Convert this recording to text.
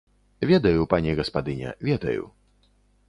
Ведаю, пані гаспадыня, ведаю.